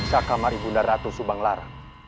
riksaka maribunda ratu subang larang